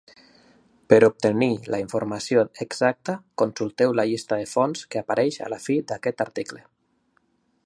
Per obtenir la informació exacta, consulteu la llista de fonts que apareix a la fi d'aquest article.